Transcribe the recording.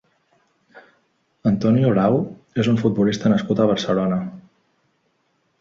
Antonio Lao és un futbolista nascut a Barcelona.